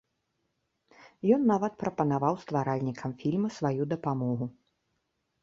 Ён нават прапанаваў стваральнікам фільма сваю дапамогу.